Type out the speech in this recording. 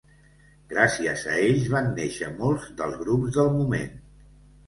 Gracies a ells van néixer molts dels grups del moment.